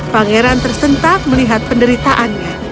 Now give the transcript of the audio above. pangeran tersentak melihat penderitaannya